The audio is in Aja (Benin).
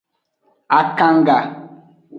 Akanga.